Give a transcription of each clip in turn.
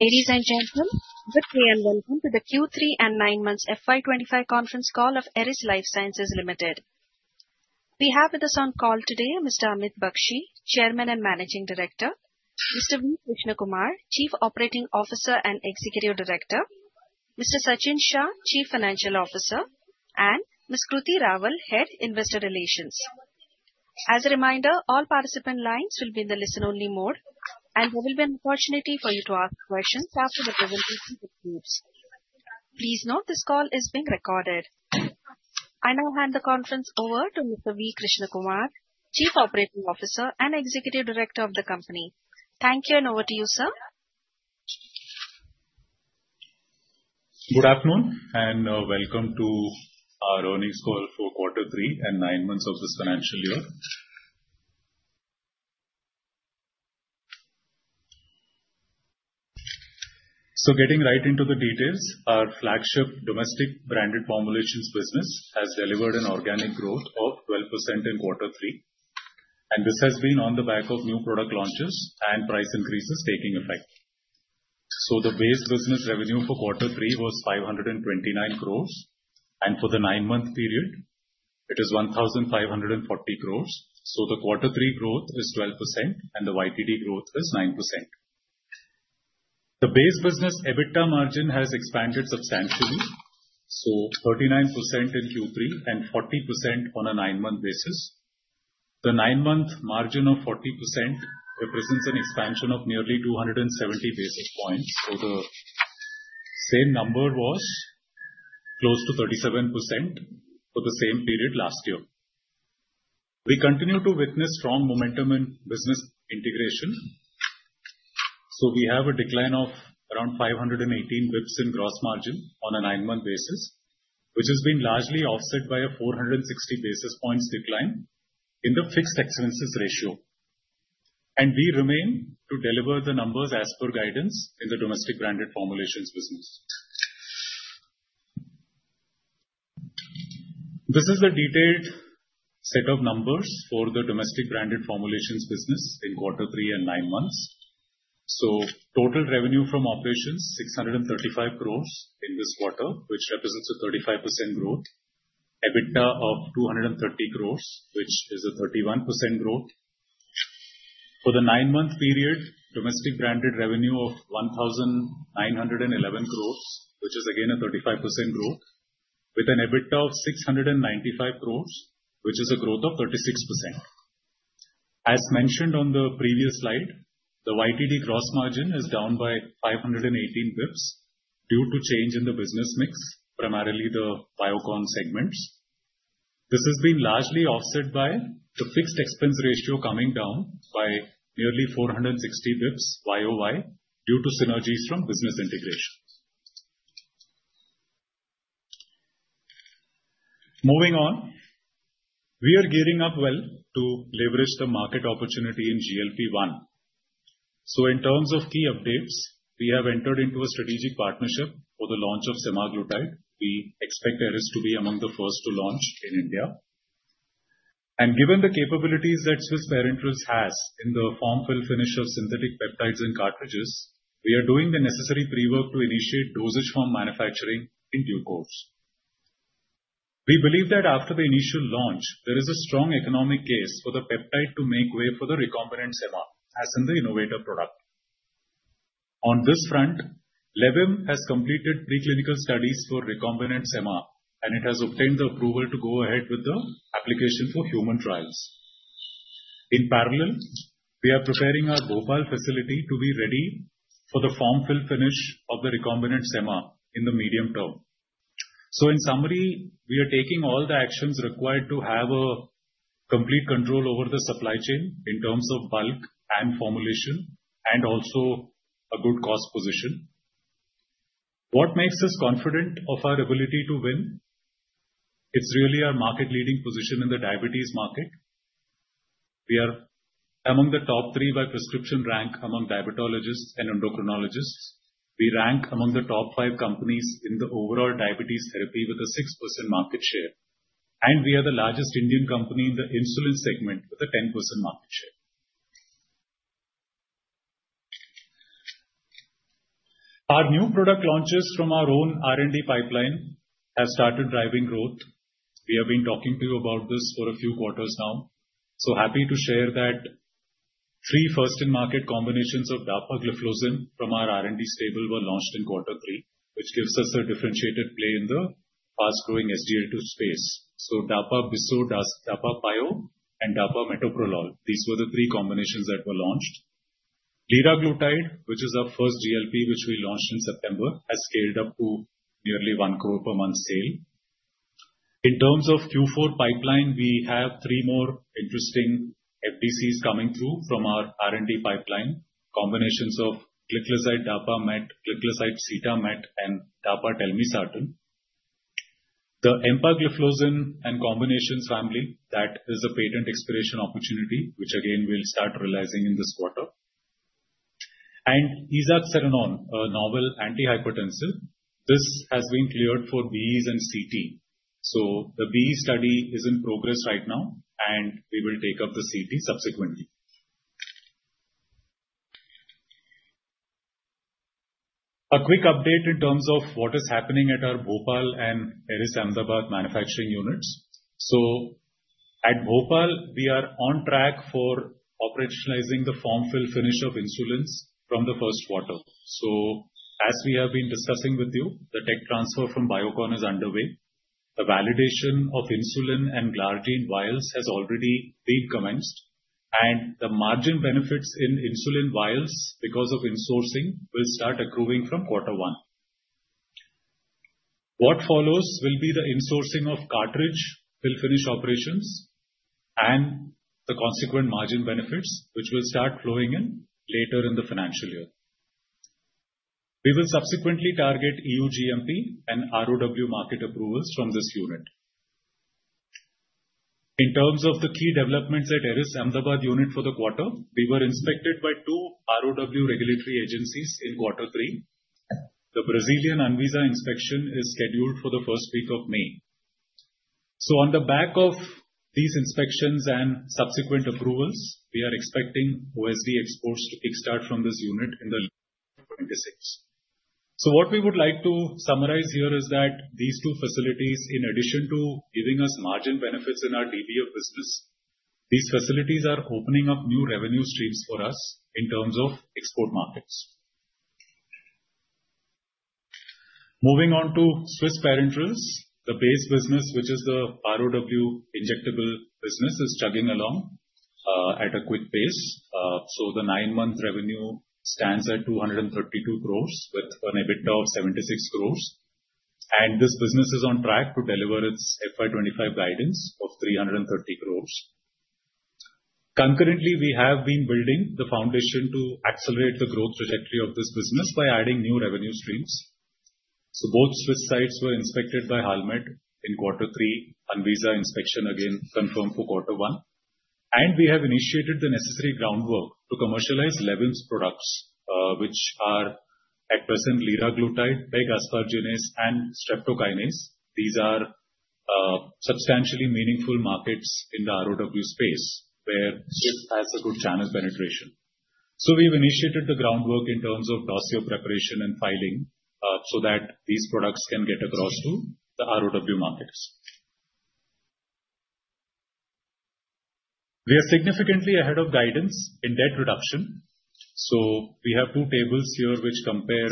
Ladies and gentlemen, good day and welcome to the Q3 and 9 Months FY25 Conference Call of Eris Lifesciences Limited. We have with us on call today Mr. Amit Bakshi, Chairman and Managing Director, Mr. V. Krishnakumar, Chief Operating Officer and Executive Director, Mr. Sachin Shah, Chief Financial Officer, and Ms. Kruti Raval, Head Investor Relations. As a reminder, all participant lines will be in the listen-only mode, and there will be an opportunity for you to ask questions after the presentation concludes. Please note this call is being recorded. I now hand the conference over to Mr. V. Krishnakumar, Chief Operating Officer and Executive Director of the company. Thank you, and over to you, sir. Good afternoon, and welcome to our earnings call for quarter three and nine months of this financial year. Getting right into the details, our flagship Domestic Branded Formulations business has delivered an organic growth of 12% in quarter three, and this has been on the back of new product launches and price increases taking effect. The base business revenue for quarter three was 529 crores, and for the nine-month period, it is 1,540 crores. The quarter three growth is 12%, and the YTD growth is 9%. The base business EBITDA margin has expanded substantially, so 39% in Q3 and 40% on a nine-month basis. The nine-month margin of 40% represents an expansion of nearly 270 basis points, so the same number was close to 37% for the same period last year. We continue to witness strong momentum in business integration, so we have a decline of around 518 basis points in gross margin on a nine-month basis, which has been largely offset by a 460 basis points decline in the fixed expenses ratio, and we remain to deliver the numbers as per guidance in the Domestic Branded Formulations business. This is the detailed set of numbers for the Domestic Branded Formulations business in quarter three and nine-months, so total revenue from operations: 635 crores in this quarter, which represents a 35% growth. EBITDA of 230 crores, which is a 31% growth. For the nine-month period, domestic branded revenue of 1,911 crores, which is again a 35% growth. With an EBITDA of 695 crores, which is a growth of 36%. As mentioned on the previous slide, the YTD gross margin is down by 518 basis points due to change in the business mix, primarily the Biocon segments. This has been largely offset by the fixed expense ratio coming down by nearly 460 basis points YOY due to synergies from business integration. Moving on, we are gearing up well to leverage the market opportunity in GLP-1. So in terms of key updates, we have entered into a strategic partnership for the launch of Semaglutide. We expect Eris to be among the first to launch in India. And given the capabilities that Swiss Parenterals has in the Form-Fill-Finish of synthetic peptides and cartridges, we are doing the necessary pre-work to initiate dosage form manufacturing in due course. We believe that after the initial launch, there is a strong economic case for the peptide to make way for the recombinant Sema, as in the innovator product. On this front, Levim has completed preclinical studies for recombinant Sema, and it has obtained the approval to go ahead with the application for human trials. In parallel, we are preparing our Bhopal facility to be ready for the Form-Fill-Finish of the recombinant Sema in the medium term. So in summary, we are taking all the actions required to have complete control over the supply chain in terms of bulk and formulation, and also a good cost position. What makes us confident of our ability to win? It's really our market-leading position in the diabetes market. We are among the top three by prescription rank among diabetologists and endocrinologists. We rank among the top five companies in the overall diabetes therapy with a 6% market share, and we are the largest Indian Company in the insulin segment with a 10% market share. Our new product launches from our own R&D pipeline have started driving growth. We have been talking to you about this for a few quarters now, so happy to share that three first-in-market combinations of Dapagliflozin from our R&D stable were launched in Q3, which gives us a differentiated play in the fast-growing SGLT2 space. So Dapagliflozin-Bisoprolol, Dapagliflozin-Pioglitazone The Empagliflozin and combinations family, that is a patent expiration opportunity, which again we'll start realizing in this quarter. And Esaxerenone, a novel antihypertensive, this has been cleared for BEs and CT. So the BE study is in progress right now, and we will take up the CT subsequently. A quick update in terms of what is happening at our Bhopal and Eris Ahmedabad manufacturing units. So at Bhopal, we are on track for operationalizing the Form-Fill Finish of Insulins from the first quarter. So as we have been discussing with you, the tech transfer from Biocon is underway. The validation of insulin and Glargine vials has already begun, and the margin benefits in insulin vials because of insourcing will start accruing from quarter one. What follows will be the insourcing of cartridge fill finish operations and the consequent margin benefits, which will start flowing in later in the financial year. We will subsequently target EU-GMP and RoW market approvals from this unit. In terms of the key developments at Eris Ahmedabad unit for the quarter, we were inspected by two RoW regulatory agencies in Q3. The Brazilian ANVISA inspection is scheduled for the first week of May. So on the back of these inspections and subsequent approvals, we are expecting OSD exports to kickstart from this unit in the 26th. So what we would like to summarize here is that these two facilities, in addition to giving us margin benefits in our DBF business, these facilities are opening up new revenue streams for us in terms of export markets. Moving on to Swiss Parenterals, the base business, which is the ROW injectable business, is chugging along at a quick pace. The nine-month revenue stands at 232 crores with an EBITDA of 76 crores, and this business is on track to deliver its FY25 guidance of 330 crores. Concurrently, we have been building the foundation to accelerate the growth trajectory of this business by adding new revenue streams. Both Swiss sites were inspected by HALMED in Q3. ANVISA inspection again confirmed for quater one, and we have initiated the necessary groundwork to commercialize Levim's products, which are at present Liraglutide, Pegaspargase, and Streptokinase. These are substantially meaningful markets in the RoW space where Swiss has a good channel penetration. We have initiated the groundwork in terms of dossier preparation and filing so that these products can get across to the RoW markets. We are significantly ahead of guidance in debt reduction. We have two tables here which compare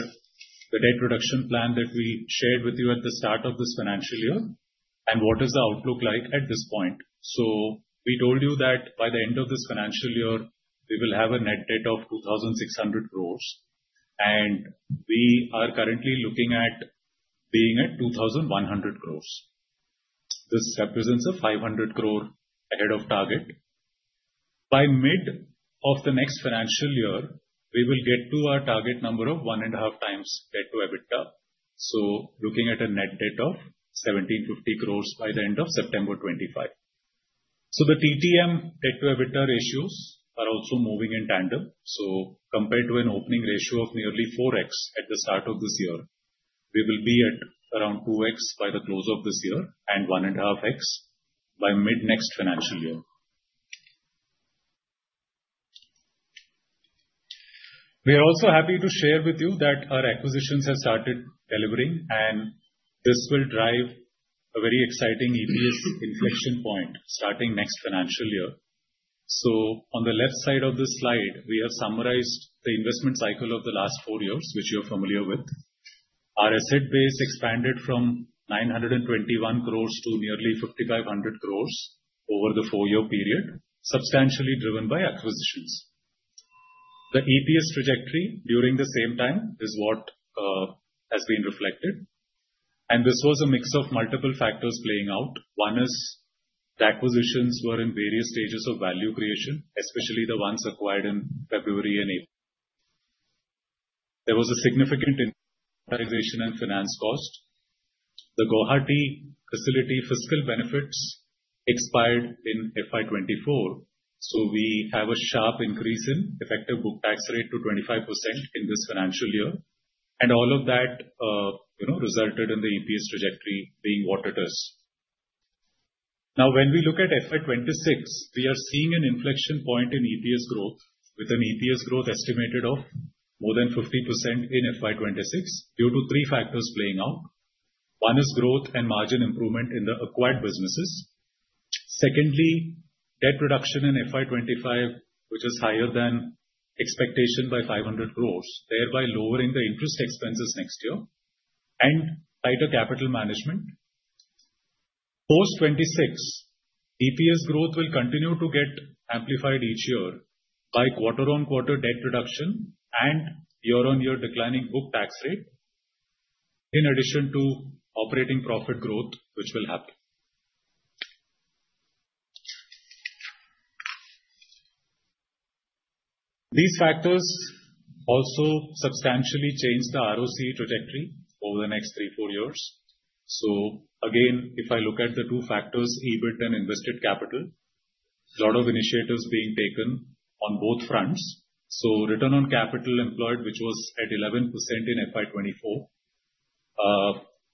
the debt reduction plan that we shared with you at the start of this financial year and what is the outlook like at this point. We told you that by the end of this financial year, we will have a net debt of 2,600 crore, and we are currently looking at being at 2,100 crore. This represents a 500 crore ahead of target. By mid of the next financial year, we will get to our target number of 1.5 times debt-to-EBITDA, so looking at a net debt of 1,750 crore by the end of September 2025. The TTM debt-to-EBITDA ratios are also moving in tandem. Compared to an opening ratio of nearly 4x at the start of this year, we will be at around 2x by the close of this year and 1.5x by mid next financial year. We are also happy to share with you that our acquisitions have started delivering, and this will drive a very exciting EPS inflection point starting next financial year. So on the left side of this slide, we have summarized the investment cycle of the last four years, which you are familiar with. Our asset base expanded from 921 crores to nearly 5,500 crores over the four-year period, substantially driven by acquisitions. The EPS trajectory during the same time is what has been reflected, and this was a mix of multiple factors playing out. One is that acquisitions were in various stages of value creation, especially the ones acquired in February and April. There was a significant incentivization and finance cost. The Guwahati facility fiscal benefits expired in FY24, so we have a sharp increase in effective book tax rate to 25% in this financial year, and all of that resulted in the EPS trajectory being what it is. Now, when we look at FY26, we are seeing an inflection point in EPS growth, with an EPS growth estimated of more than 50% in FY26 due to three factors playing out. One is growth and margin improvement in the acquired businesses. Secondly, debt reduction in FY25, which is higher than expectation by 500 crores, thereby lowering the interest expenses next year and tighter capital management. Post '26, EPS growth will continue to get amplified each year by quarter-on-quarter debt reduction and year-on-year declining book tax rate, in addition to operating profit growth, which will happen. These factors also substantially change the ROCE trajectory over the next three, four years. So again, if I look at the two factors, EBIT and Invested Capital, a lot of initiatives being taken on both fronts. So return on capital employed, which was at 11% in FY24,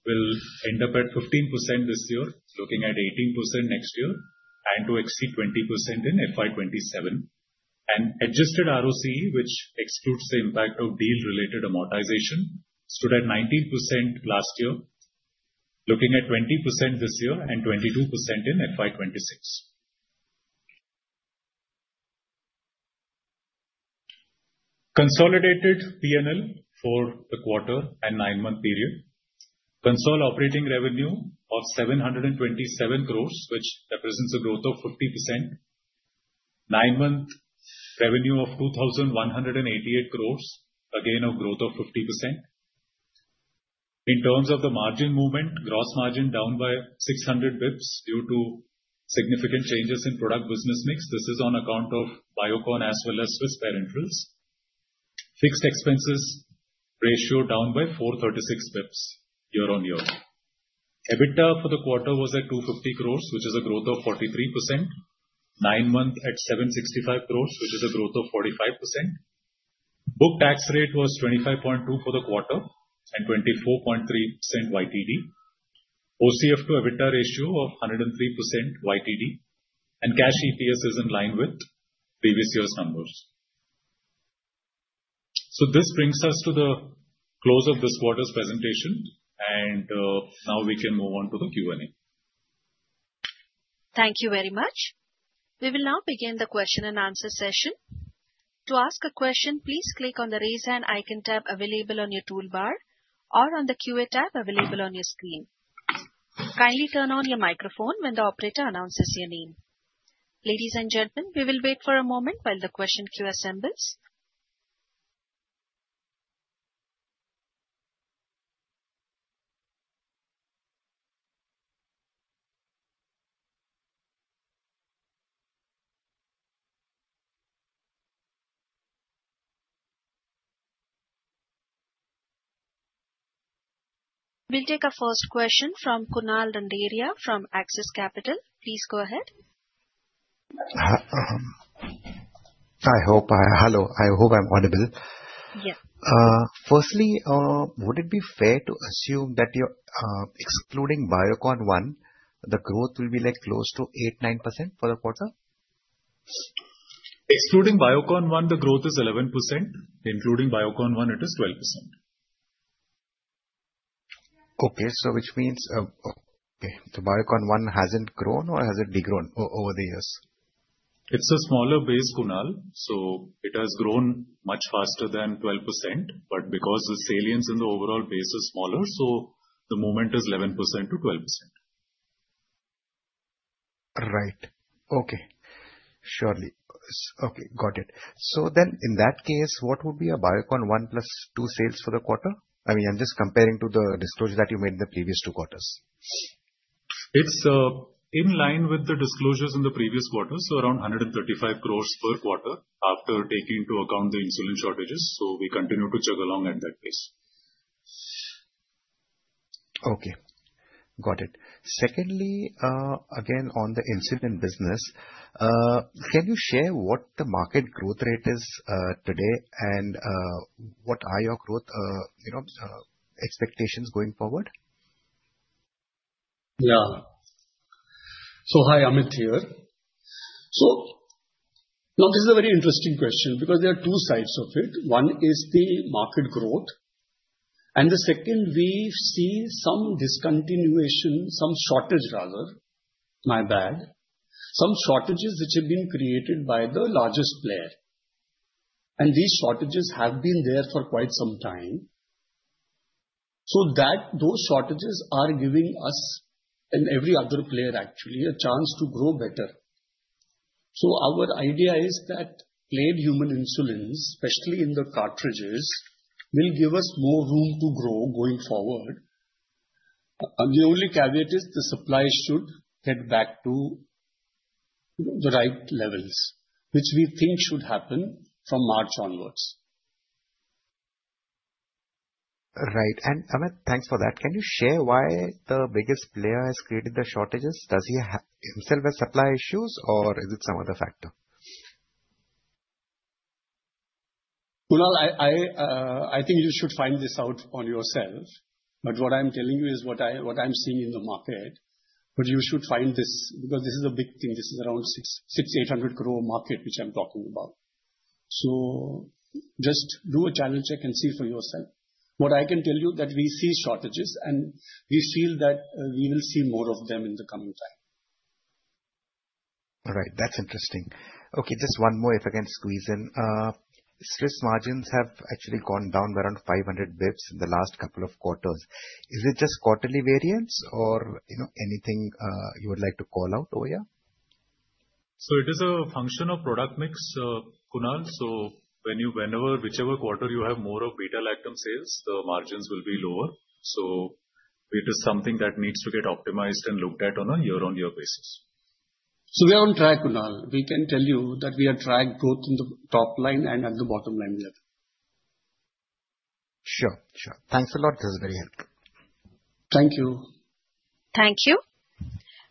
will end up at 15% this year, looking at 18% next year, and to exceed 20% in FY27. And adjusted ROC, which excludes the impact of deal-related amortization, stood at 19% last year, looking at 20% this year and 22% in FY26. Consolidated P&L for the quarter and 9-month period consolidated operating revenue of 727 crores, which represents a growth of 50%. 9-month revenue of 2,188 crores, again a growth of 50%. In terms of the margin movement, gross margin down by 600 basis points due to significant changes in product business mix. This is on account of Biocon as well as Swiss Parenterals. Fixed expenses ratio down by 436 basis points year-on-year. EBITDA for the quarter was at 250 crores, which is a growth of 43%. 9-month at 765 crores, which is a growth of 45%. Book tax rate was 25.2% for the quarter and 24.3% YTD. OCF to EBITDA ratio of 103% YTD, and cash EPS is in line with previous year's numbers. So this brings us to the close of this quarter's presentation, and now we can move on to the Q&A. Thank you very much. We will now begin the question and answer session. To ask a question, please click on the raise hand icon tab available on your toolbar or on the Q&A tab available on your screen. Kindly turn on your microphone when the operator announces your name. Ladies and gentlemen, we will wait for a moment while the question queue assembles. We'll take a first question from Kunal Randeria from Axis Capital. Please go ahead. I hope I, hello, I hope I'm audible. Yes. Firstly, would it be fair to assume that excluding Biocon, the growth will be like close to 8%-9% for the quarter? Excluding Biocon, the growth is 11%. Including Biocon, it is 12%. Okay, so which means, okay, so Biocon hasn't grown or has it begun over the years? It's a smaller base, Kunal, so it has grown much faster than 12%, but because the salience in the overall base is smaller, so the movement is 11% to 12%. Right. Okay. Surely. Okay, got it. So then in that case, what would be a Biocon plus two sales for the quarter? I mean, I'm just comparing to the disclosure that you made in the previous two quarters. It's in line with the disclosures in the previous quarter, so around 135 crores per quarter after taking into account the insulin shortages, so we continue to chug along at that pace. Okay. Got it. Secondly, again on the insulin business, can you share what the market growth rate is today and what are your growth expectations going forward? Yeah. So, hi, Amit here, so now this is a very interesting question because there are two sides of it. One is the market growth, and the second, we see some discontinuation, some shortage rather, my bad, some shortages which have been created by the largest player, and these shortages have been there for quite some time. So those shortages are giving us and every other player actually a chance to grow better. Our idea is that plain human insulins, especially in the cartridges, will give us more room to grow going forward. The only caveat is the supply should head back to the right levels, which we think should happen from March onwards. Right. And Amit, thanks for that. Can you share why the biggest player has created the shortages? Does he himself have supply issues, or is it some other factor? Kunal, I think you should find this out on your own, but what I'm telling you is what I'm seeing in the market. But you should find this because this is a big thing. This is around 600-800 crore market, which I'm talking about. So just do a channel check and see for yourself. What I can tell you is that we see shortages, and we feel that we will see more of them in the coming time. All right. That's interesting. Okay, just one more, if I can squeeze in. Swiss margins have actually gone down by around 500 basis points in the last couple of quarters. Is it just quarterly variance or anything you would like to call out, Oya? So it is a function of product mix, Kunal. So whenever, whichever quarter you have more of beta-lactam sales, the margins will be lower. So it is something that needs to get optimized and looked at on a year-on-year basis. So we are on track, Kunal. We can tell you that we are tracked both in the top line and at the bottom line level. Sure. Sure. Thanks a lot. This is very helpful. Thank you. Thank you.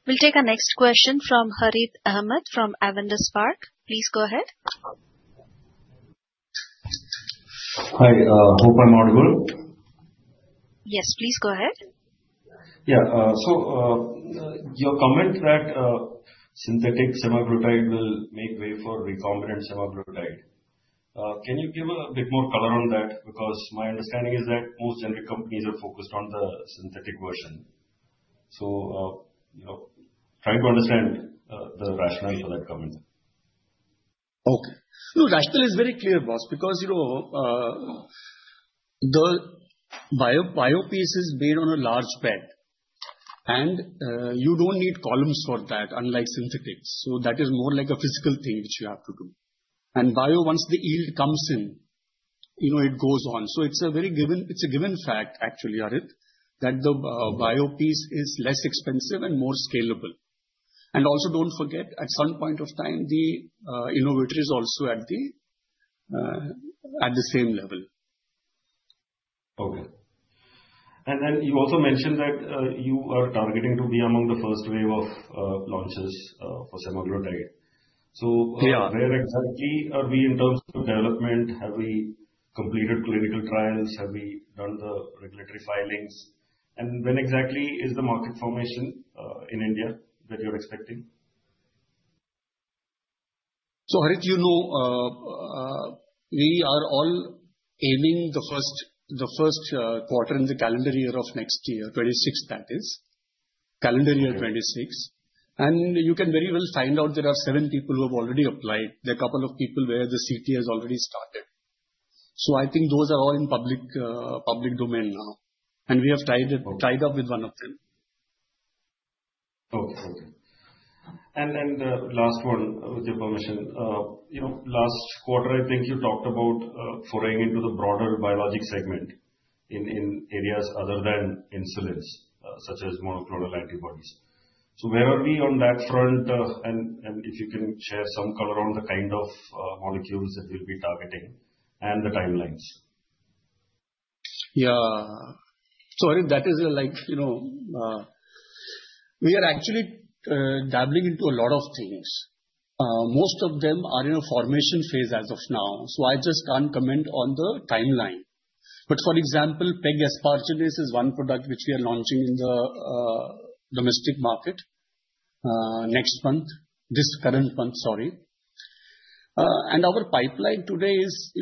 We'll take our next question from Harith Ahamed from Avendus Spark. Please go ahead. Hi. Hope I'm audible? Yes, please go ahead. Yeah. So your comment that synthetic Semaglutide will make way for recombinant Semaglutide, can you give a bit more color on that? Because my understanding is that most generic companies are focused on the synthetic version. So trying to understand the rationale for that comment. Okay. No, rationale is very clear, boss, because the Bio piece is made on a large bed, and you don't need columns for that, unlike synthetics. So that is more like a physical thing which you have to do. And Bio, once the yield comes in, it goes on. So it's a very given fact, actually, Harith, that the Bio piece is less expensive and more scalable. And also don't forget, at some point of time, the innovator is also at the same level. Okay. And then you also mentioned that you are targeting to be among the first wave of launches for Semaglutide. Where exactly are we in terms of development? Have we completed clinical trials? Have we done the regulatory filings? And when exactly is the market formation in India that you're expecting? Harith, you know we are all aiming the first quarter in the calendar year of next year, 2026, that is, calendar year 2026. And you can very well find out there are seven people who have already applied. There are a couple of people where the CT has already started. So I think those are all in public domain now, and we have tied up with one of them. Okay. And last one, with your permission, last quarter, I think you talked about foraying into the broader Biologic segment in areas other than insulins, such as monoclonal antibodies. Where are we on that front? And if you can share some color on the kind of molecules that we'll be targeting and the timelines. Yeah. So that is like we are actually dabbling into a lot of things. Most of them are in a formation phase as of now. So I just can't comment on the timeline. But for example, Pegaspargase is one product which we are launching in the domestic market next month, this current month, sorry. And our pipeline today is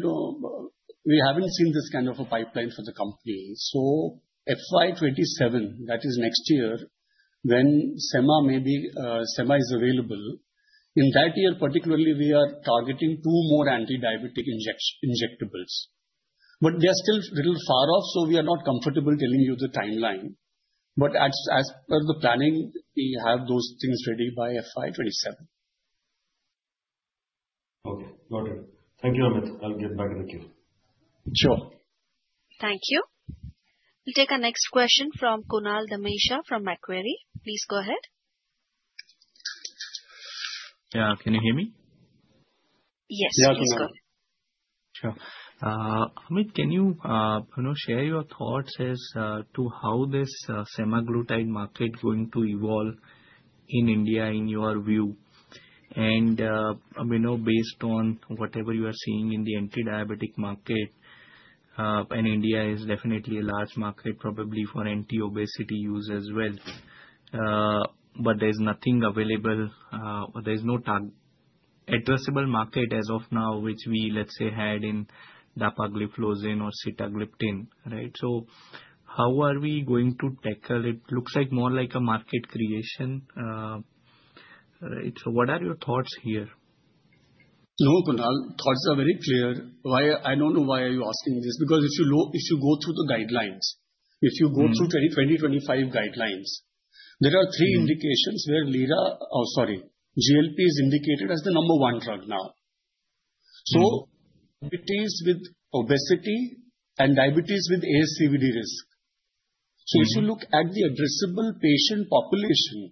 we haven't seen this kind of a pipeline for the company. So FY27, that is next year, when Semaglutide maybe Semaglutide is available. In that year, particularly, we are targeting two more anti-diabetic injectables. But they are still a little far off, so we are not comfortable telling you the timeline. But as per the planning, we have those things ready by FY27. Okay. Got it. Thank you, Amit. I'll get back to the queue. Sure. Thank you. We'll take our next question from Kunal Dhamesha from Macquarie. Please go ahead. Yeah. Can you hear me? Yes. Please go ahead. Sure. Amit, can you share your thoughts as to how this Semaglutide market is going to evolve in India, in your view? And based on whatever you are seeing in the anti-diabetic market, and India is definitely a large market, probably for anti-obesity use as well. But there's nothing available. There's no addressable market as of now, which we, let's say, had in Dapagliflozin or Sitagliptin, right? So how are we going to tackle? It looks like more like a market creation. So what are your thoughts here? No, Kunal, thoughts are very clear. I don't know why are you asking this. Because if you go through the guidelines, if you go through 2025 guidelines, there a re three indications where LIRA, oh sorry, GLP is indicated as the number one drug now. So diabetes with obesity and diabetes with ASCVD risk. So if you look at the addressable patient population,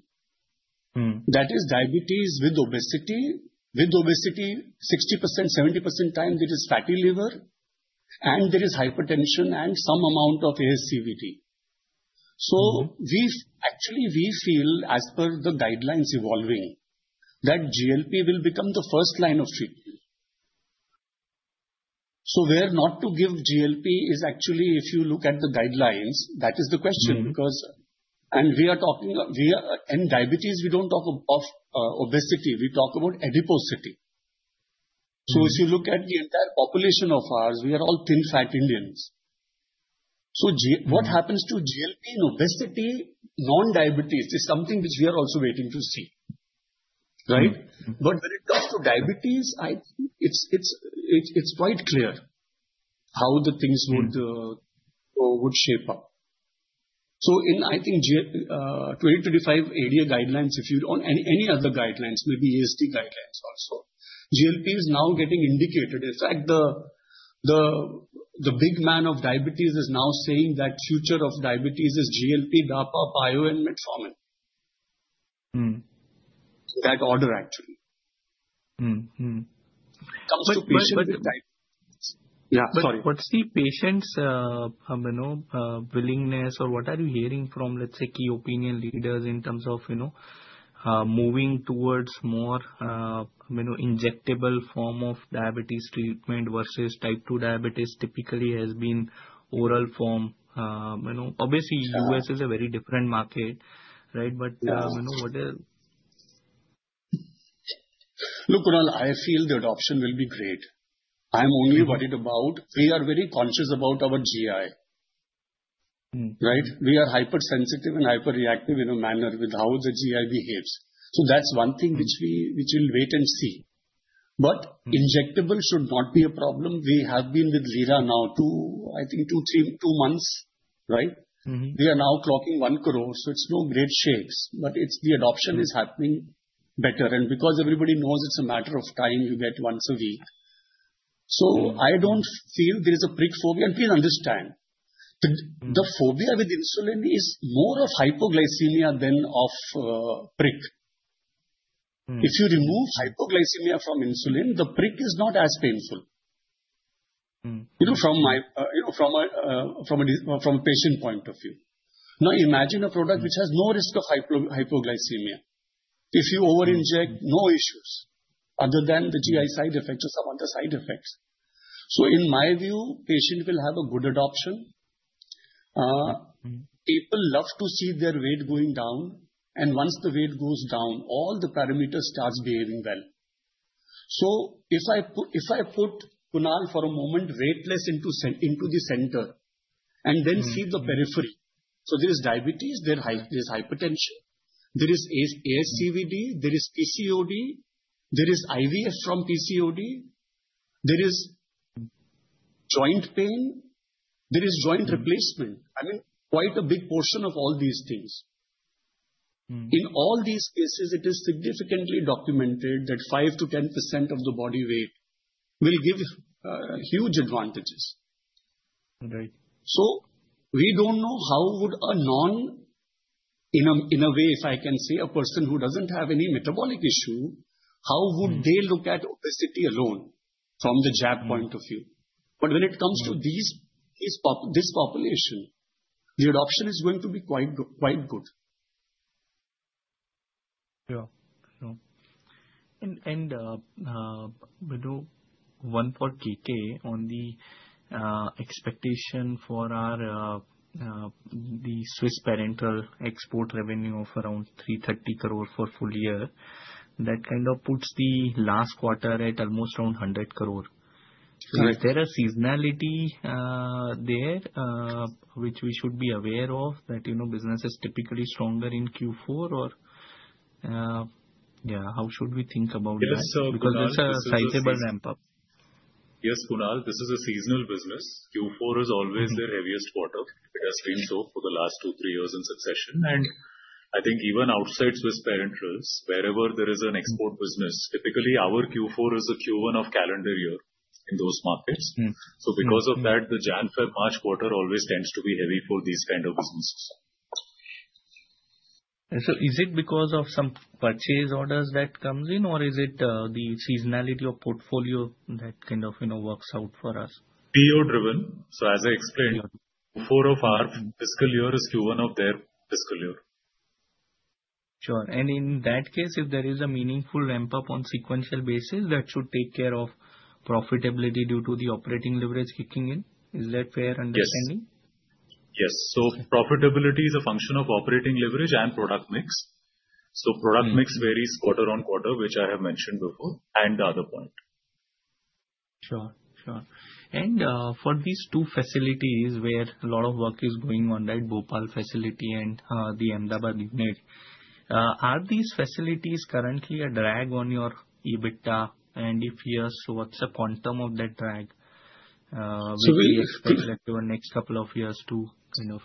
that is diabetes with obesity, with obesity, 60%, 70% time, there is fatty liver, and there is hypertension and some amount of ASCVD. So actually, we feel, as per the guidelines evolving, that GLP will become the first line of treatment. So where not to give GLP is actually, if you look at the guidelines, that is the question. And we are talking in diabetes, we don't talk of obesity. We talk about adiposity. So if you look at the entire population of ours, we are all thin fat Indians. So what happens to GLP in obesity, non-diabetes is something which we are also waiting to see, right? But when it comes to diabetes, I think it's quite clear how the things would shape up. So in, I think, 2025 ADA guidelines, if you're on any other guidelines, maybe ASCVD guidelines also, GLP is now getting indicated. In fact, the big man of diabetes is now saying that the future of diabetes is GLP, Dapa, Pio, and Metformin. That order, actually. Comes to patients with diabetes. Yeah, sorry. What's the patient's willingness or what are you hearing from, let's say, key opinion leaders in terms of moving towards more injectable form of diabetes treatment versus type-2 diabetes typically has been oral form? Obviously, U.S. is a very different market, right? But what is? Look, Kunal, I feel the adoption will be great. I'm only worried about we are very conscious about our GI, right? We are hypersensitive and hyperreactive in a manner with how the GI behaves. So that's one thing which we'll wait and see. But injectable should not be a problem. We have been with Lira now, I think, two, three months, right? We are now clocking one crore, so it's no great shakes, but the adoption is happening better. And because everybody knows it's a matter of time, you get once a week. So I don't feel there is a prick phobia. And please understand, the phobia with insulin is more of hypoglycemia than of prick. If you remove hypoglycemia from insulin, the prick is not as painful from a patient point of view. Now, imagine a product which has no risk of hypoglycemia. If you over-inject, no issues other than the GI side effects or some other side effects. So in my view, patient will have a good adoption. People love to see their weight going down. And once the weight goes down, all the parameters start behaving well. So if I put Kunal for a moment weightless into the center and then see the periphery, so there is diabetes, there is hypertension, there is ASCVD, there is PCOD, there is IVF from PCOD, there is joint pain, there is joint replacement, I mean, quite a big portion of all these things. In all these cases, it is significantly documented that 5%-10% of the body weight will give huge advantages. So we don't know how would a non, in a way, if I can say, a person who doesn't have any metabolic issue, how would they look at obesity alone from the GLP point of view. But when it comes to this population, the adoption is going to be quite good. Sure. Sure. And one for KK on the expectation for the Swiss Parenterals export revenue of around 330 crore for full year. That kind of puts the last quarter at almost around 100 crore. Is there a seasonality there which we should be aware of that business is typically stronger in Q4 or yeah, how should we think about that? Because it's a sizable ramp-up. Yes, Kunal, this is a seasonal business. Q4 is always their heaviest quarter. It has been so for the last two, three years in succession. I think even outside Swiss Parenterals, wherever there is an export business, typically our Q4 is a Q1 of calendar year in those markets. So because of that, the Jan-Feb-March quarter always tends to be heavy for these kind of businesses. So is it because of some purchase orders that come in, or is it the seasonality of portfolio that kind of works out for us? PO driven. So as I explained, Q4 of our fiscal year is Q1 of their fiscal year. Sure. And in that case, if there is a meaningful ramp-up on a sequential basis, that should take care of profitability due to the operating leverage kicking in. Is that fair understanding? Yes. So profitability is a function of operating leverage and product mix. So product mix varies quarter on quarter, which I have mentioned before, and the other point. Sure. Sure. And for these two facilities where a lot of work is going on, right, Bhopal facility and the Ahmedabad unit, are these facilities currently a drag on your EBITDA? And if yes, what's the quantum of that drag? So we expect. Let's say over the next couple of years to kind of.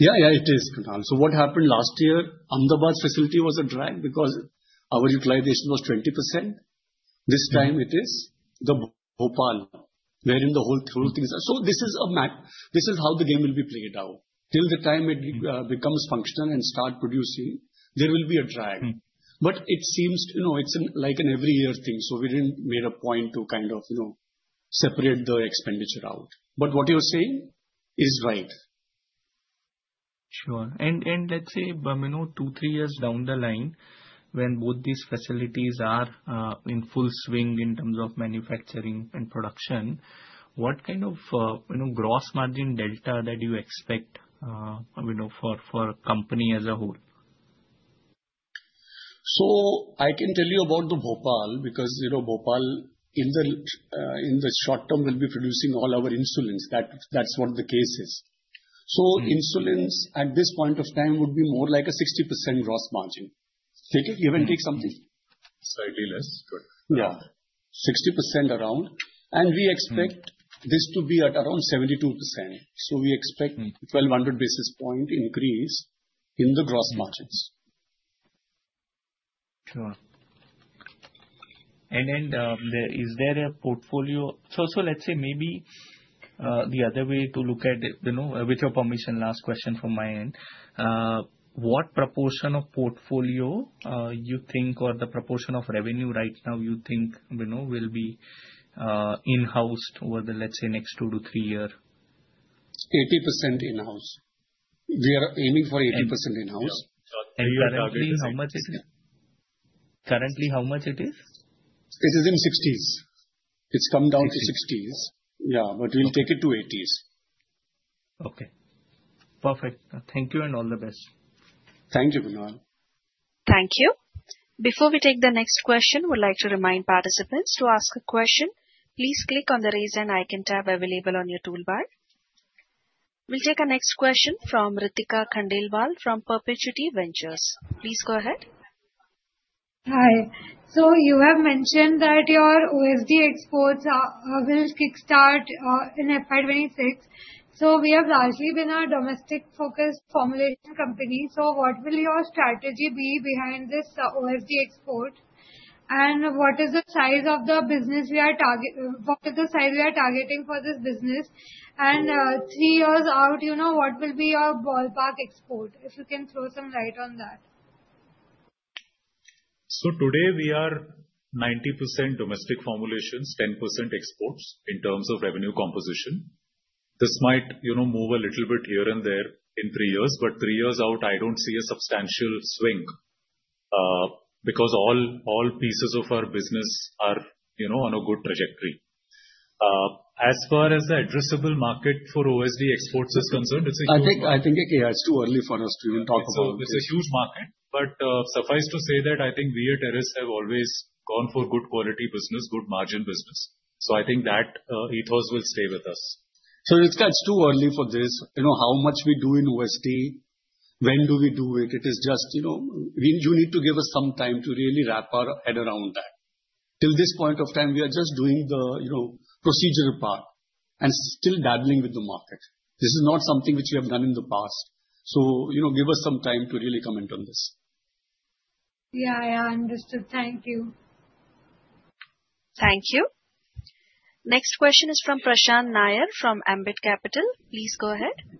Yeah. Yeah, it is, Kunal. So what happened last year, Ahmedabad facility was a drag because our utilization was 20%. This time it is the Bhopal wherein the whole thing is. So this is a map. This is how the game will be played out. Till the time it becomes functional and starts producing, there will be a drag. But it seems it's like an every-year thing. So we didn't make a point to kind of separate the expenditure out. But what you're saying is right. Sure. And let's say two, three years down the line, when both these facilities are in full swing in terms of manufacturing and production, what kind of gross margin delta that you expect for a company as a whole? So I can tell you about the Bhopal because Bhopal in the short term will be producing all our insulins. That's what the case is. So insulins at this point of time would be more like a 60% gross margin. Take it, even take something. Slightly less. Good. Yeah. 60% around. And we expect this to be at around 72%. So we expect 1,200 basis points increase in the gross margins. Sure. And is there a portfolio? So let's say maybe the other way to look at it, with permission last question from my end. What proportion of portfolio you think or the proportion of revenue right now you think will be in-house over the, let's say, next two to three years? 80% in-house. We are aiming for 80% in-house. And you are targeting how much it is? Currently, how much it is? It is in 60s. It's come down to 60s. Yeah, but we'll take it to 80s. Okay. Perfect. Thank you and all the best. Thank you, Kunal. Thank you. Before we take the next question, we'd like to remind participants to ask a question. Please click on the raise hand icon tab available on your toolbar. We'll take our next question from Ritika Khandelwal from Perpetuity Ventures. Please go ahead. Hi. So you have mentioned that your OSD exports will kickstart in FY26. So we have largely been a domestic-focused formulation company. So what will your strategy be behind this OSD export? And what is the size of the business we are targeting? What is the size we are targeting for this business? And three years out, what will be your ballpark export? If you can throw some light on that. So today, we are 90% domestic formulations, 10% exports in terms of revenue composition. This might move a little bit here and there in three years. But three years out, I don't see a substantial swing because all pieces of our business are on a good trajectory. As far as the addressable market for OSD exports is concerned, it's huge. I think it's too early for us to even talk about. It's a huge market. But suffice to say that I think we at Eris have always gone for good quality business, good margin business. So I think that ethos will stay with us. So it's too early for this. How much we do in OSD, when do we do it? It is just you need to give us some time to really wrap our head around that. Till this point of time, we are just doing the procedural part and still dabbling with the market. This is not something which we have done in the past. So give us some time to really comment on this. Yeah. Yeah. Understood. Thank you. Thank you. Next question is from Prashant Nair from Ambit Capital. Please go ahead.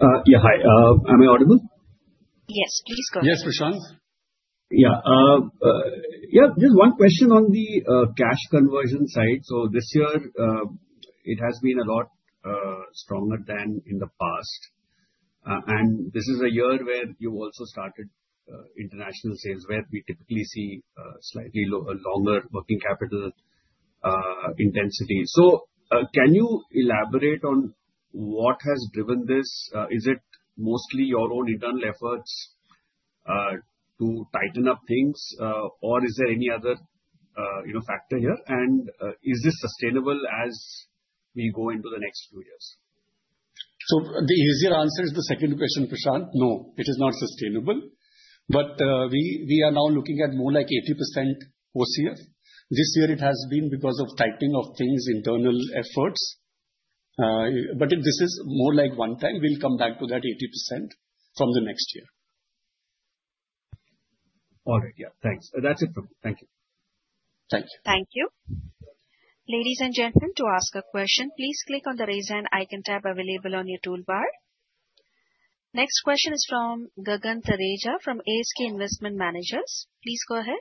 Yeah. Hi. Am I audible? Yes. Please go ahead. Yes, Prashant. Yeah. Yeah. Just one question on the cash conversion side. So this year, it has been a lot stronger than in the past. And this is a year where you also started international sales, where we typically see slightly longer working capital intensity. So can you elaborate on what has driven this? Is it mostly your own internal efforts to tighten up things, or is there any other factor here? And is this sustainable as we go into the next few years? So the easier answer is the second question, Prashant. No, it is not sustainable. But we are now looking at more like 80% OCF. This year, it has been because of tightening of things, internal efforts. But this is more like one time. We'll come back to that 80% from the next year. All right. Yeah. Thanks. That's it from me. Thank you. Thank you. Thank you. Ladies and gentlemen, to ask a question, please click on the raise an icon tab available on your toolbar. Next question is from Gagan Thareja from ASK Investment Managers. Please go ahead.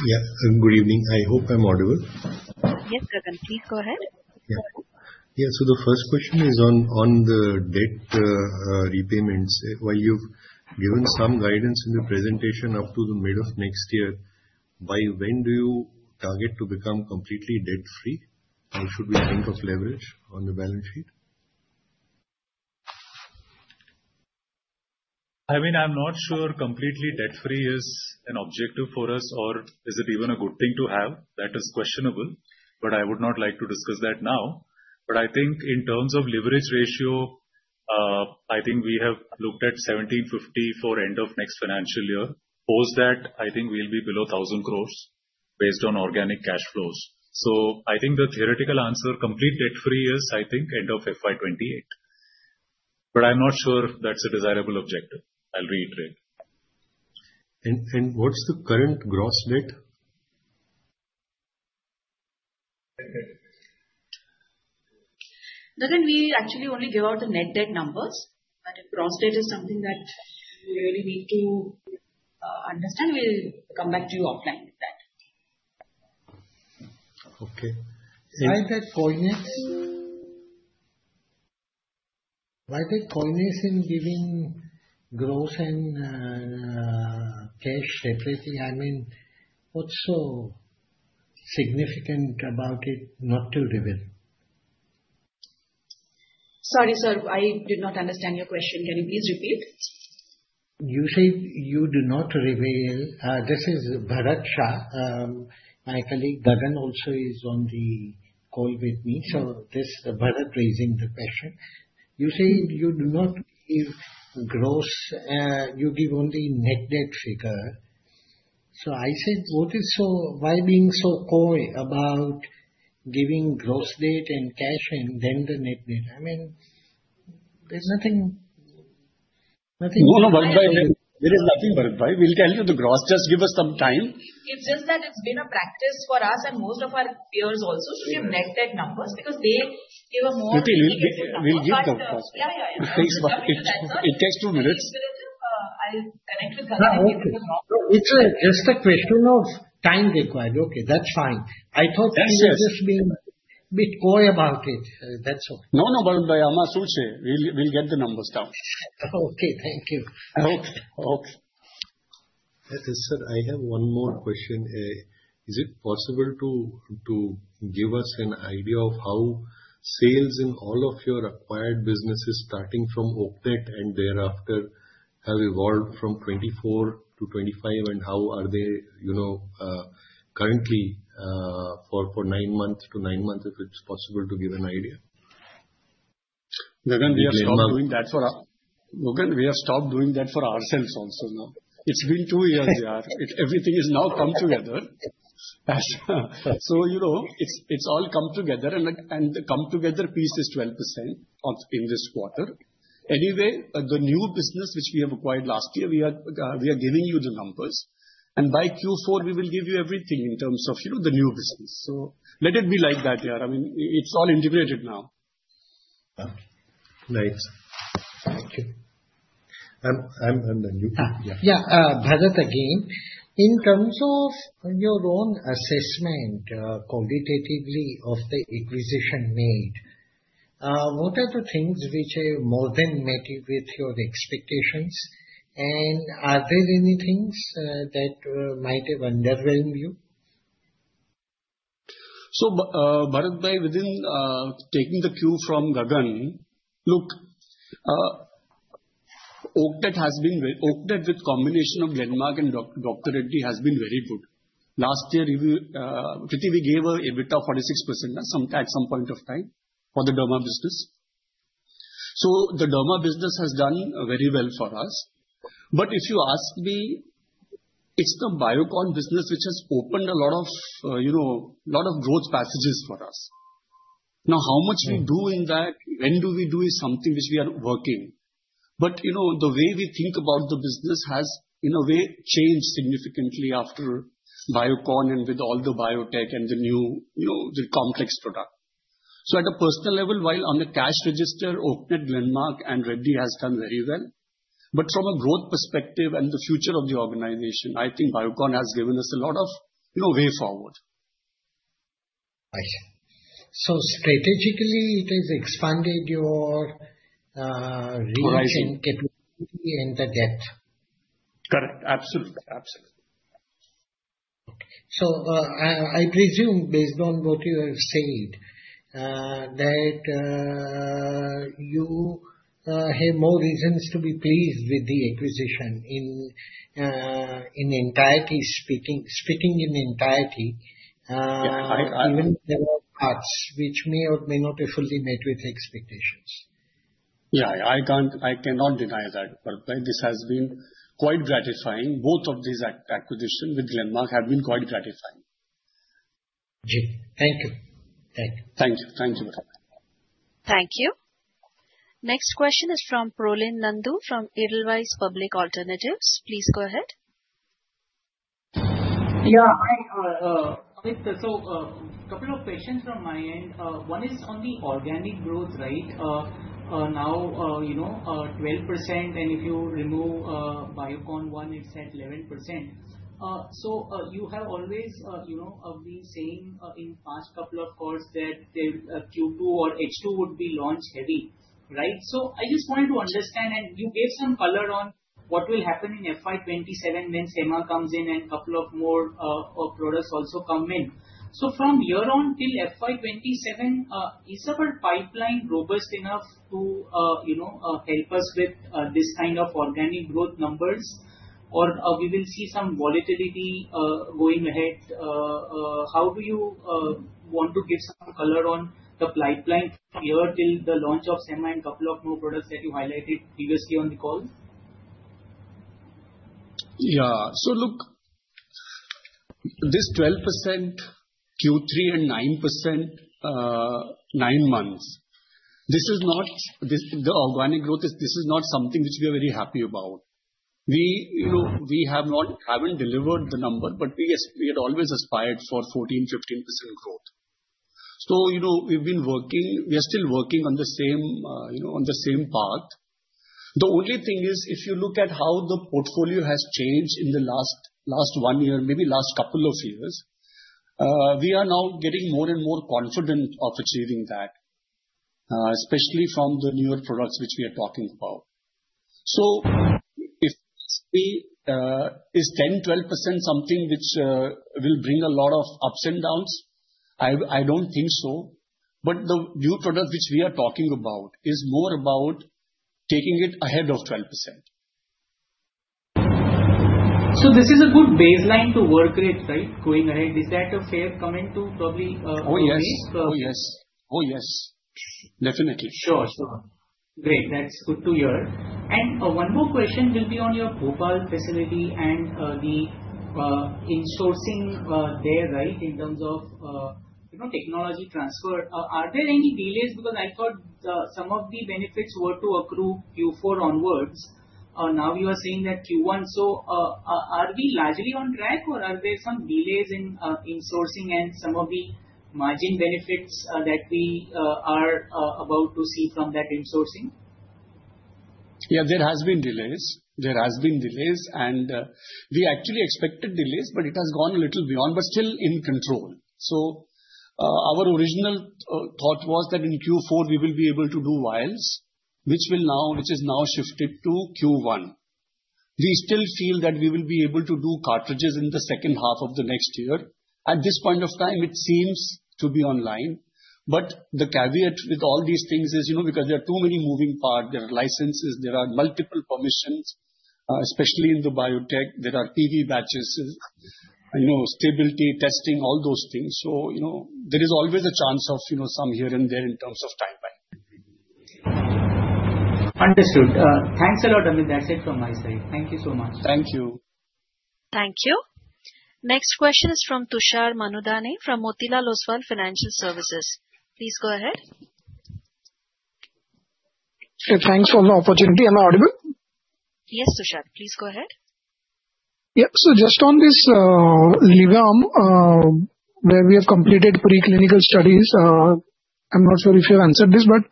Yeah. Good evening. I hope I'm audible. Yes, Gagan. Please go ahead. Yeah. So the first question is on the debt repayments. While you've given some guidance in the presentation up to the middle of next year, by when do you target to become completely debt-free? How should we think of leverage on the balance sheet? I mean, I'm not sure completely debt-free is an objective for us, or is it even a good thing to have? That is questionable. But I would not like to discuss that now. But I think in terms of leverage ratio, I think we have looked at 1,750 for end of next financial year. Post that, I think we'll be below 1,000 crores based on organic cash flows. So I think the theoretical answer, complete debt-free is, I think, end of FY28. But I'm not sure that's a desirable objective. I'll reiterate. And what's the current gross debt? Gagan, we actually only give out the net debt numbers. But if gross debt is something that you really need to understand, we'll come back to you offline with that. Okay. Why the coyness, why the coyness in giving gross and cash separately? I mean, what's so significant about it not to reveal? Sorry, sir. I did not understand your question. Can you please repeat? You said you do not reveal. This is Bharat Shah. My colleague Gagan also is on the call with me. So this is Bharat raising the question. You said you do not give gross; you give only net debt figure. So I said, "Why being so coy about giving gross debt and cash and then the net debt?" I mean, there's nothing. No, no. There is nothing, Bharat Shah. We'll tell you the gross. Just give us some time. It's just that it's been a practice for us and most of our peers also to give net debt numbers because they give a more detailed answer. We'll give the gross debt. Yeah. Yeah. Yeah. It takes two minutes. I'll connect with Gagan. It's just a question of time required. Okay. That's fine. I thought you were just being a bit coy about it. That's all. No, no. But my apologies. We'll get the numbers down. Okay. Thank you. Okay. Okay. Sir, I have one more question. Is it possible to give us an idea of how sales in all of your acquired businesses, starting from Oaknet and thereafter, have evolved from 24 to 25, and how are they currently for nine months to nine months, if it's possible to give an idea? Gagan, we have stopped doing that for ourselves also now. It's been two years, yeah. Everything has now come together. It's all come together. The come-together piece is 12% in this quarter. Anyway, the new business which we have acquired last year, we are giving you the numbers. By Q4, we will give you everything in terms of the new business. Let it be like that, yeah. I mean, it's all integrated now. Nice. Thank you. I'm the new. Yeah. Yeah. Bharat again, in terms of your own assessment quantitatively of the acquisition made, what are the things which have more than met with your expectations? Are there any things that might have underwhelmed you? Bharat Shah, within taking the cue from Gagan, look, Oaknet has been Oaknet with combination of Glenmark and Dr. Reddy's. Reddy has been very good. Last year, Kruti, we gave an EBITDA of 46% at some point of time for the derma business. So the derma business has done very well for us. But if you ask me, it's the Biocon business which has opened a lot of growth passages for us. Now, how much we do in that, when do we do is something which we are working. But the way we think about the business has, in a way, changed significantly after Biocon and with all the biotech and the new complex product. So at a personal level, while on the cash register, Oaknet, Glenmark, and Reddy has done very well. But from a growth perspective and the future of the organization, I think Biocon has given us a lot of way forward. Right. So strategically, it has expanded your reach and capability and the depth. Correct. Absolutely. Absolutely. Okay. So I presume, based on what you have said, that you have more reasons to be pleased with the acquisition in entirety, speaking in entirety, even there are parts which may or may not have fully met with expectations. Yeah. I cannot deny that, Bharat Shah. This has been quite gratifying. Both of these acquisitions with Glenmark have been quite gratifying. Thank you. Thank you. Thank you. Thank you. Thank you. Next question is from Prolin Nandu from Edelweiss Public Alternatives. Please go ahead. Yeah. So a couple of questions from my end. One is on the organic growth, right? Now, 12%. And if you remove Biocon one, it's at 11%. So you have always been saying in past couple of calls that Q2 or H2 would be launch heavy, right? So I just wanted to understand, and you gave some color on what will happen in FY27 when SEMA comes in and a couple of more products also come in. So from year on till FY27, is our pipeline robust enough to help us with this kind of organic growth numbers, or we will see some volatility going ahead? How do you want to give some color on the pipeline here till the launch of SEMA and a couple of more products that you highlighted previously on the call? Yeah. So look, this 12% Q3 and 9%, nine months, this is not the organic growth. This is not something which we are very happy about. We haven't delivered the number, but we had always aspired for 14%-15% growth. So we've been working. We are still working on the same path. The only thing is, if you look at how the portfolio has changed in the last one year, maybe last couple of years, we are now getting more and more confident of achieving that, especially from the newer products which we are talking about. So if we is 10%-12% something which will bring a lot of ups and downs, I don't think so. But the new product which we are talking about is more about taking it ahead of 12%. So this is a good baseline to work with, right, going ahead. Is that a fair comment to probably? Oh, yes. Oh, yes. Oh, yes. Definitely. Sure. Sure. Great. That's good to hear. And one more question will be on your Bhopal facility and the insourcing there, right, in terms of technology transfer. Are there any delays? Because I thought some of the benefits were to accrue Q4 onwards. Now you are saying that Q1. So are we largely on track, or are there some delays in insourcing and some of the margin benefits that we are about to see from that insourcing? Yeah. There have been delays. There have been delays. And we actually expected delays, but it has gone a little beyond, but still in control. So our original thought was that in Q4, we will be able to do vials, which is now shifted to Q1. We still feel that we will be able to do cartridges in the second half of the next year. At this point of time, it seems to be online. But the caveat with all these things is because there are too many moving parts. There are licenses. There are multiple permissions, especially in the biotech. There are PV batches, stability testing, all those things. So there is always a chance of some here and there in terms of timeline. Understood. Thanks a lot. I mean, that's it from my side. Thank you so much. Thank you. Thank you. Next question is from Tushar Manudhane from Motilal Oswal Financial Services. Please go ahead. Thanks for the opportunity. Am I audible? Yes, Tushar. Please go ahead. Yeah. So just on this Levim, where we have completed preclinical studies, I'm not sure if you've answered this, but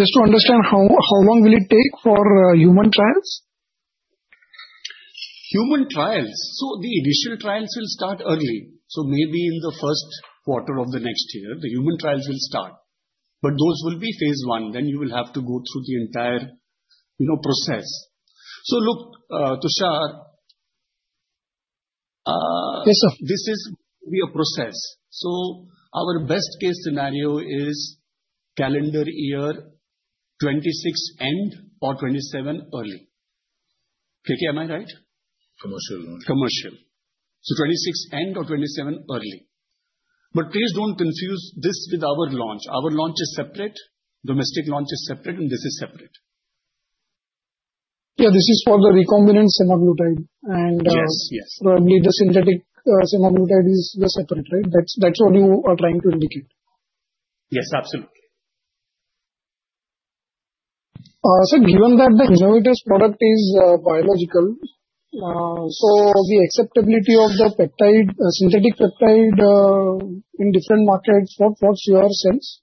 just to understand how long will it take for human trials? Human trials? So the initial trials will start early. So maybe in the first quarter of the next year, the human trials will start. But those will be phase one. Then you will have to go through the entire process. So look, Tushar, this is a process. So our best-case scenario is calendar year 2026 end or 2027 early. Okay. Am I right? Commercial launch. Commercial. So 2026 end or 2027 early. But please don't confuse this with our launch. Our launch is separate. Domestic launch is separate, and this is separate. Yeah. This is for the recombinant Semaglutide. And probably the synthetic Semaglutide is the separate, right? That's what you are trying to indicate. Yes. Absolutely. So given that the innovator's product is biological, so the acceptability of the synthetic peptide in different markets, what's your sense?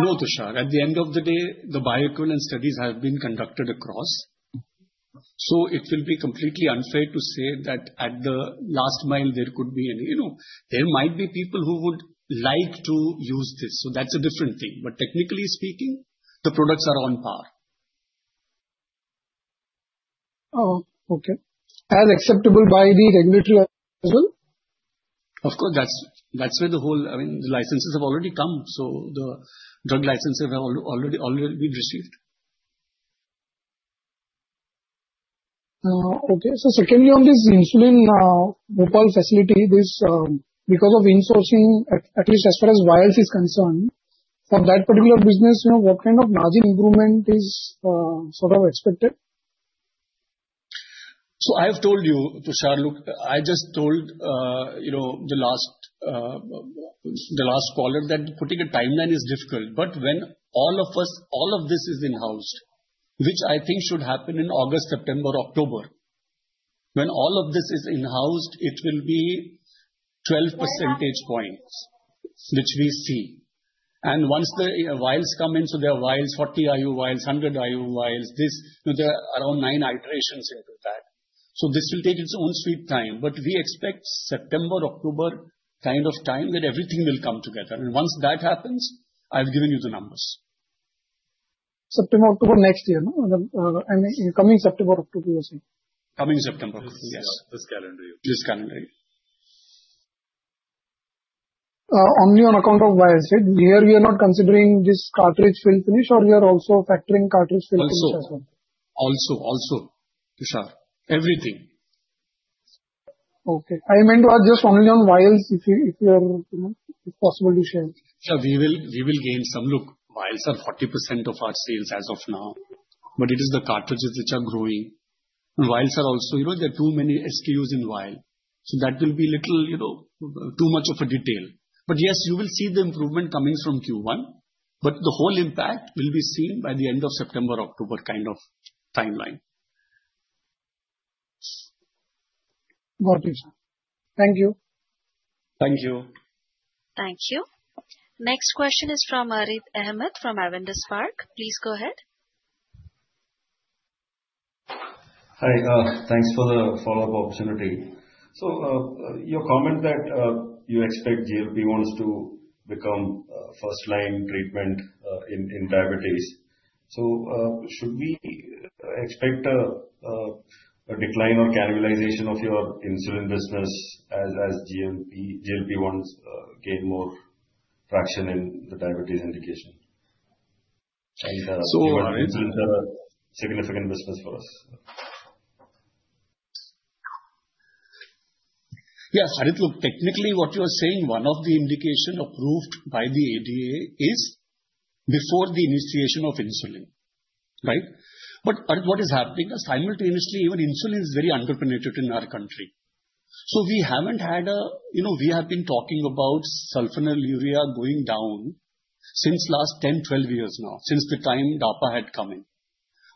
No, Tushar. At the end of the day, the bioequivalence studies have been conducted across. So it will be completely unfair to say that at the last mile, there might be people who would like to use this. So that's a different thing. But technically speaking, the products are on par. Oh, okay. As acceptable by the regulatory as well? Of course. That's where the whole, I mean, the licenses have already come. So the drug licenses have already been received. Okay. So secondly, on this insulin Bhopal facility, because of insourcing, at least as far as vials is concerned, for that particular business, what kind of margin improvement is sort of expected? So I have told you, Tushar, look, I just told the last caller that putting a timeline is difficult. But when all of this is in-house, which I think should happen in August, September, October, when all of this is in-house, it will be 12 percentage points which we see. And once the vials come in, so there are vials, 40 IU vials, 100 IU vials, there are around nine iterations into that. So this will take its own sweet time. But we expect September, October kind of time where everything will come together. And once that happens, I've given you the numbers. September, October next year, no? I mean, coming September, October you're saying? Coming September, October, yes. This calendar year. This calendar year. Only on account of vials, right? Here, we are not considering this cartridge fill finish, or we are also factoring cartridge fill finish as well? Also. Also. Also, Tushar. Everything. Okay. I meant to ask just only on vials if you are possible to share. Yeah. We will gain some. Look, vials are 40% of our sales as of now. But it is the cartridges which are growing. And vials are also there are too many SKUs in vial. So that will be a little too much of a detail. But yes, you will see the improvement coming from Q1. But the whole impact will be seen by the end of September, October kind of timeline. Got it. Thank you. Thank you. Thank you. Next question is from Harith Ahamed from Avendus Spark. Please go ahead. Hi. Thanks for the follow-up opportunity. So your comment that you expect GLP-1s to become first-line treatment in diabetes. So should we expect a decline or cannibalization of your insulin business as GLP-1s gain more traction in the diabetes indication? So Harith, insulin is a significant business for us. Yes. Harith, look, technically, what you are saying, one of the indications approved by the ADA is before the initiation of insulin, right? But what is happening is simultaneously, even insulin is very underpenetrated in our country. We have been talking about Sulfonylurea going down since last 10, 12 years now, since the time Dapa had come in.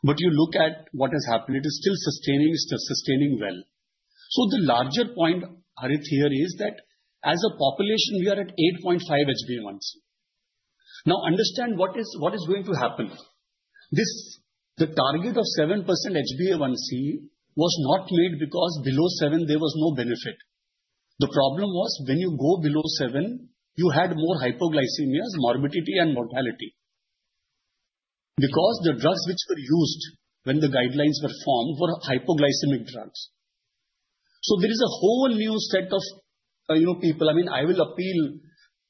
But you look at what has happened, it is still sustaining. It's just sustaining well. The larger point, Harith, here is that as a population, we are at 8.5 HbA1c. Now, understand what is going to happen. The target of 7% HbA1c was not made because below 7, there was no benefit. The problem was when you go below 7, you had more hypoglycemia, morbidity, and mortality because the drugs which were used when the guidelines were formed were hypoglycemic drugs. There is a whole new set of people. I mean, I will appeal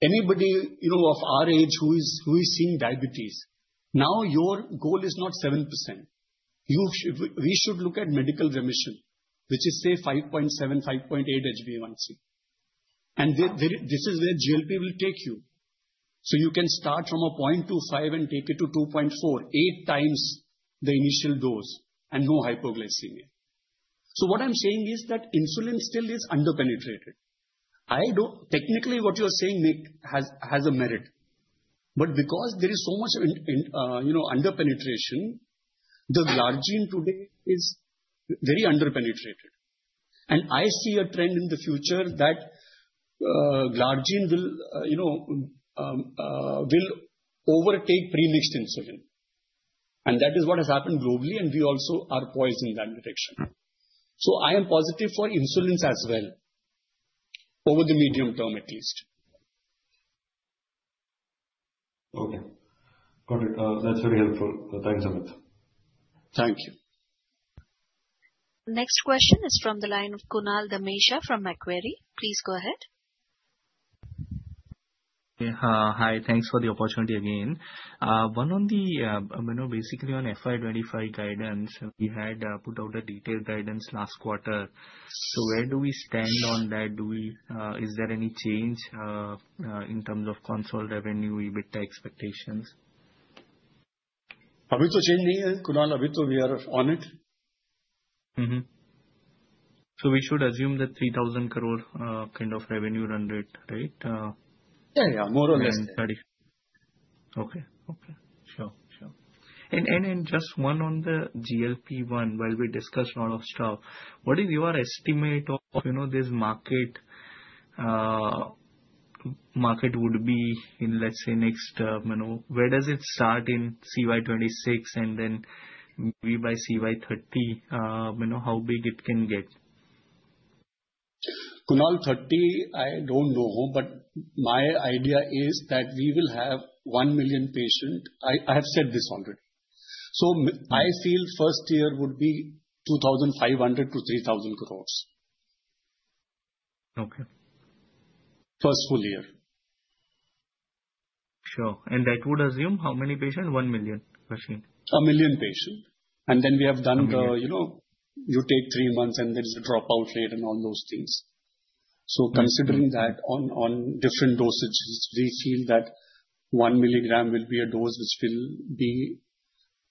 anybody of our age who is seeing diabetes. Now, your goal is not 7%. We should look at medical remission, which is, say, 5.7, 5.8 HbA1c. This is where GLP will take you. You can start from a 0.25 and take it to 2.4, eight times the initial dose, and no hypoglycemia. What I'm saying is that insulin still is underpenetrated. Technically, what you are saying has a merit, but because there is so much underpenetration, the Glargine today is very underpenetrated. I see a trend in the future that Glargine will overtake pre-mixed insulin. That is what has happened globally, and we also are poised in that direction. I am positive for insulins as well, over the medium term at least. Okay. Got it. That's very helpful. Thanks, Amit. Thank you. Next question is from the line of Kunal Dhamesha from Macquarie. Please go ahead. Hi. Thanks for the opportunity again. Basically, on FY25 guidance, we had put out a detailed guidance last quarter. So where do we stand on that? Is there any change in terms of consolidated revenue, EBITDA expectations? Has it changed anything, Kunal? Has it. We are on it. So we should assume the 3,000 crore kind of revenue run rate, right? Yeah. Yeah. More or less. Okay. Okay. Sure. Sure. And just one on the GLP-1, while we discussed a lot of stuff, what is your estimate of this market would be in, let's say, next term? Where does it start in CY26, and then maybe by CY30, how big it can get? Kunal, 30, I don't know. But my idea is that we will have one million patients. I have said this already. So I feel first year would be 2,500-3,000 crores. Okay. First full year. Sure. And that would assume how many patients? One million? A million patients. And then we have done the you take three months, and there is a dropout rate and all those things. So considering that on different dosages, we feel that one milligram will be a dose which will be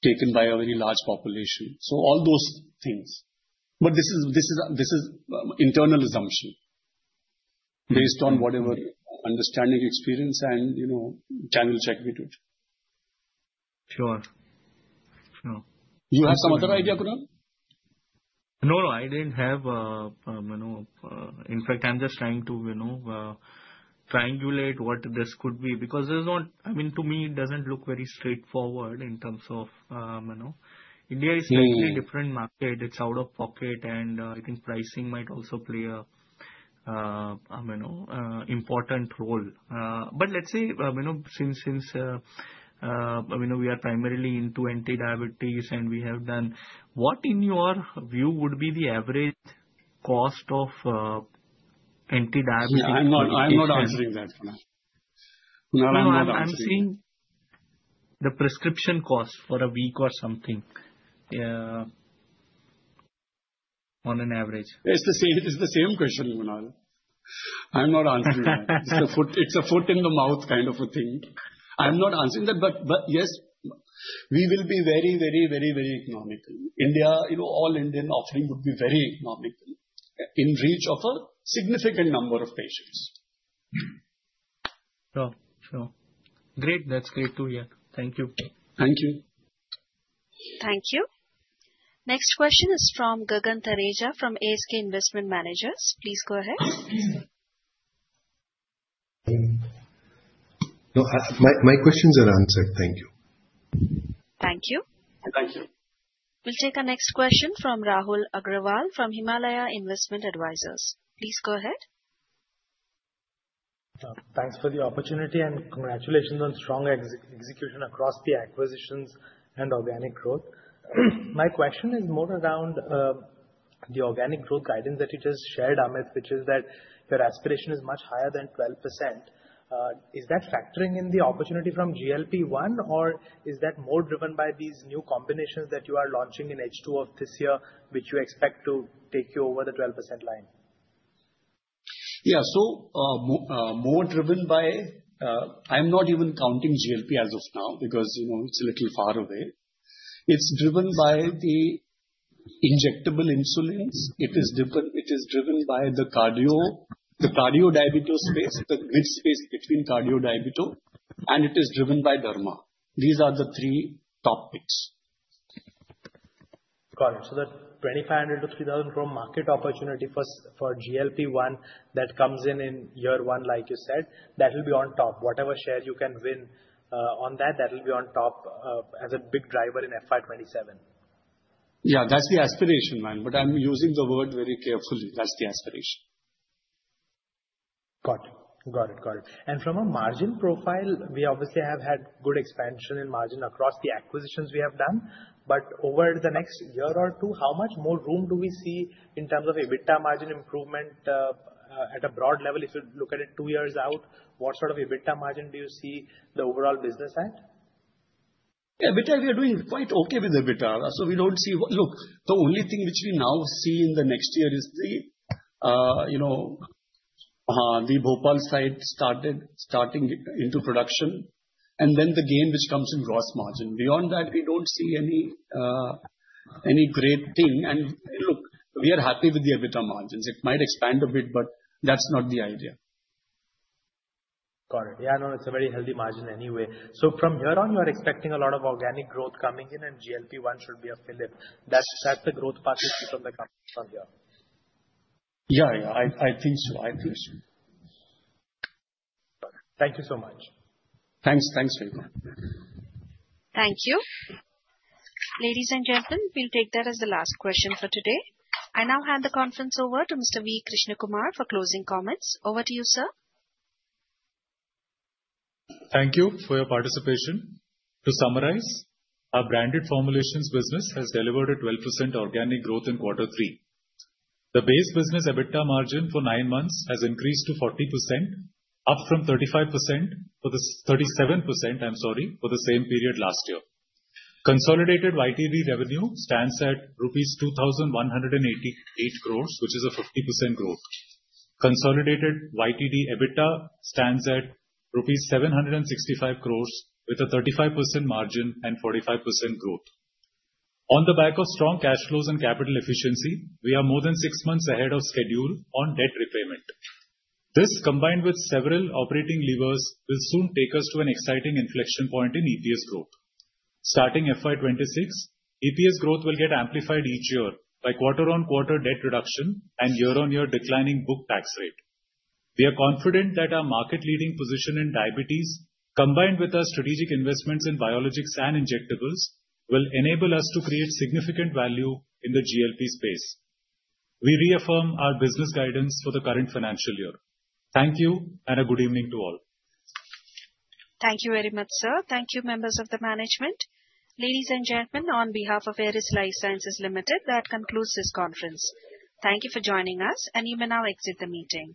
taken by a very large population. So all those things. But this is internal assumption based on whatever understanding, experience, and channel check we do. Sure. Sure. You have some other idea, Kunal? No, no. I didn't have a in fact, I'm just trying to triangulate what this could be. Because I mean, to me, it doesn't look very straightforward in terms of India is slightly different market. It's out of pocket, and I think pricing might also play an important role. But let's say since we are primarily into anti-diabetes and we have done what in your view would be the average cost of anti-diabetes? Yeah. I'm not answering that, Kunal. I'm not answering that. I'm seeing the prescription cost for a week or something on an average. It's the same question, Kunal. I'm not answering that. It's a foot in the mouth kind of a thing. I'm not answering that. But yes, we will be very, very, very, very economical. All-Indian offering would be very economical in reach of a significant number of patients. Sure. Sure. Great. That's great too. Yeah. Thank you. Thank you. Thank you. Next question is from Gagan Thareja from ASK Investment Managers. Please go ahead. My questions are answered. Thank you. Thank you. Thank you. We'll take a next question from Rahul Agrawal from Himalaya Investment Advisors. Please go ahead. Thanks for the opportunity and congratulations on strong execution across the acquisitions and organic growth. My question is more around the organic growth guidance that you just shared, Amit, which is that your aspiration is much higher than 12%. Is that factoring in the opportunity from GLP-1, or is that more driven by these new combinations that you are launching in H2 of this year, which you expect to take you over the 12% line? Yeah. So more driven by. I'm not even counting GLP-1 as of now because it's a little far away. It's driven by the injectable insulins. It is driven by the cardio-diabetes space, the grey space between cardio-diabetes, and it is driven by derma. These are the three top picks. Got it. So the 2,500 crore-3,000 crore market opportunity for GLP-1 that comes in in year one, like you said, that will be on top. Whatever share you can win on that, that will be on top as a big driver in FY27. Yeah. That's the aspiration, man. But I'm using the word very carefully. That's the aspiration. Got it. Got it. Got it. And from a margin profile, we obviously have had good expansion in margin across the acquisitions we have done. But over the next year or two, how much more room do we see in terms of EBITDA margin improvement at a broad level? If you look at it two years out, what sort of EBITDA margin do you see the overall business at? EBITDA, we are doing quite okay with EBITDA. So we don't see. Look, the only thing which we now see in the next year is the Bhopal site starting into production, and then the gain which comes in gross margin. Beyond that, we don't see any great thing. And look, we are happy with the EBITDA margins. It might expand a bit, but that's not the idea. Got it. Yeah. No, it's a very healthy margin anyway. So from here on, you are expecting a lot of organic growth coming in, and GLP-1 should be a fill-in. That's the growth path you see from the companies from here. Yeah. Yeah. I think so. I think so. Thank you so much. Thanks. Thanks, Venkat. Thank you. Ladies and gentlemen, we'll take that as the last question for today. I now hand the conference over to Mr. V. Krishnakumar for closing comments. Over to you, sir. Thank you for your participation. To summarize, our branded formulations business has delivered a 12% organic growth in quarter three. The base business EBITDA margin for nine months has increased to 40%, up from 35% for the 37%, I'm sorry, for the same period last year. Consolidated YTD revenue stands at ₹2,188 crores, which is a 50% growth. Consolidated YTD EBITDA stands at ₹765 crores with a 35% margin and 45% growth. On the back of strong cash flows and capital efficiency, we are more than six months ahead of schedule on debt repayment. This, combined with several operating levers, will soon take us to an exciting inflection point in EPS growth. Starting FY26, EPS growth will get amplified each year by quarter-on-quarter debt reduction and year-on-year declining book tax rate. We are confident that our market-leading position in diabetes, combined with our strategic investments in biologics and injectables, will enable us to create significant value in the GLP space. We reaffirm our business guidance for the current financial year. Thank you, and a good evening to all. Thank you very much, sir. Thank you, members of the management. Ladies and gentlemen, on behalf of Eris Lifesciences Limited, that concludes this conference. Thank you for joining us, and you may now exit the meeting.